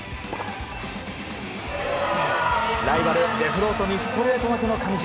ライバル、デフロートにストレート負けの上地。